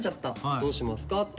どうしますか？」と。